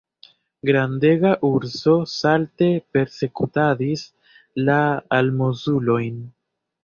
Grandega urso salte persekutadis la almozulojn.